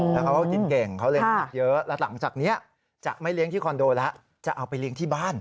แล้วเขาก็กินเก่งเขาเลยมีเยอะแล้วหลังจากนี้จะไม่เลี้ยงที่คอนโดแล้วจะเอาไปเลี้ยงที่บ้าน